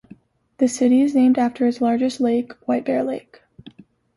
The city is named after its largest lake, White Bear Lake.